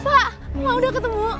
pak ma udah ketemu